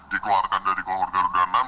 dikeluarkan dari keluarga keluarga enam